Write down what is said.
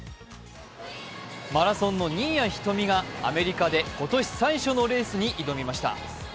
マラソンの新谷仁美がアメリカで今年最初のレースに挑みました。